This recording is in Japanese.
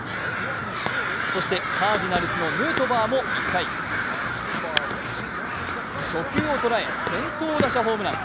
そしてカージナルスのヌートバーも１回、初球を捉え、先頭打者ホームラン。